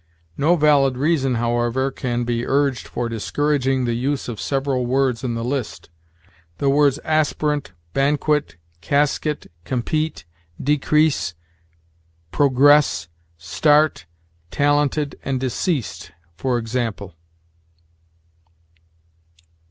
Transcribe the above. No valid reason, however, can be urged for discouraging the use of several words in the list; the words aspirant, banquet, casket, compete, decrease, progress, start, talented, and deceased, for example.